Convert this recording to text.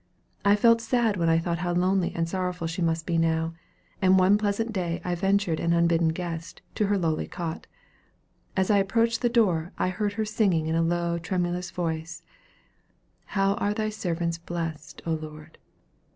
I felt sad when I thought how lonely and sorrowful she must be now; and one pleasant day I ventured an unbidden guest into her lowly cot. As I approached her door, I heard her singing in a low, tremulous tone, "How are thy servants blessed, O Lord."